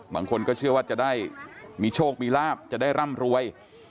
บางคนก็เชื่อว่าจะได้มีโชคมีลาบจะได้ร่ำรวย